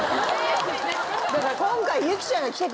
だから今回。